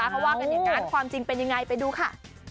เขาว่ากันอย่างนั้นความจริงเป็นยังไงไปดูค่ะ